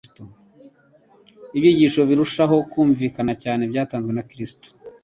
Ibyigisho birushaho kumvikana cyane byatanzwe na Kristo,